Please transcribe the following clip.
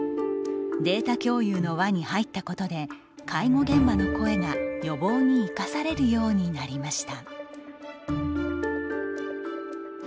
データ共有の輪に入ったことで介護現場の声が、予防に生かされるようになりました。